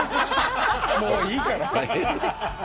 もういいから。